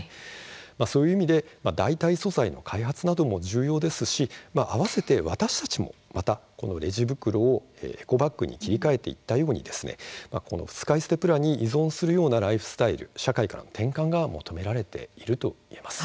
そういう意味で代替素材の開発なども重要ですし合わせて私たちもレジ袋をエコバッグに切り替えていったように使い捨てプラに移動するようなライフスタイル社会への転換が求められています。